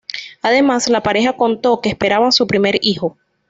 Además la pareja contó que esperaban su primer hijo.